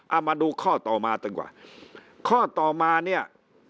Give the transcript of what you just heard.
เอามาดูข้อต่อมาจนกว่าข้อต่อมาเนี่ย